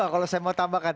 kalau saya mau tambahkan